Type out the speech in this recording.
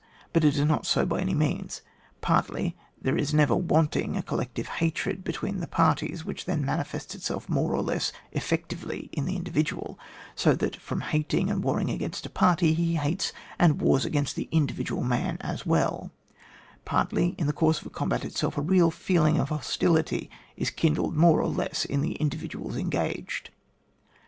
But it is not so by any means. Partly there is never wanting a collective hatred between the parties, which then manifests itself more or less effectively in the individual, so that from hating and warring against a party, he hates and wars against the individual man as well; partly in the course of a combat itself a real feeling of hostility is kin dled more or less in the individuals en gaged.